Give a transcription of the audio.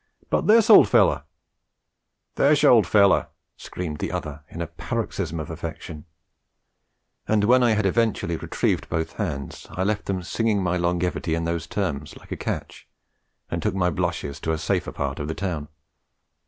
But this ol' feller ' 'Thish ol' feller!' screamed the other, in a paroxysm of affection; and when I had eventually retrieved both hands I left them singing my longevity in those terms, like a catch, and took my blushes to a safer part of the town.